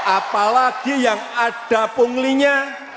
apalagi yang ada punglinya